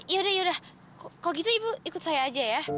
yaudah kalau gitu ibu ikut saya aja ya